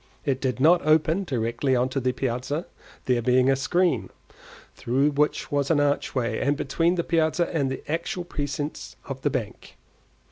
It did not open directly on to the piazza, there being a screen, through which was an archway, between the piazza and the actual precincts of the bank.